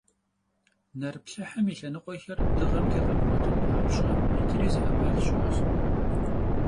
Нэрыплъыхьым и лъэныкъуэхэр дыгъэмкӀэ къэбгъуэтын папщӀэ, иджыри зы Ӏэмал щыӀэщ.